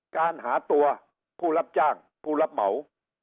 การหาตัวผู้รับจ้างผู้รับเหมา